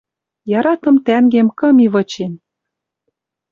Яратым тӓнгем кым и вычен.